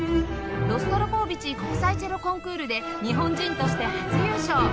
ロストロポーヴィチ国際チェロコンクールで日本人として初優勝